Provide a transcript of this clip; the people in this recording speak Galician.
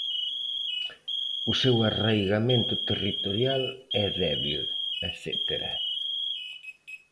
O seu arraigamento territorial é débil etcétera.